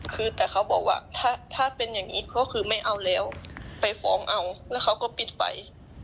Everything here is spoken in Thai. คือแต่เขาบอกว่าถ้าเป็นอย่างนี้ก็คือไม่เอาแล้วไปฟ้องเอาแล้วเขาก็ปิดไฟ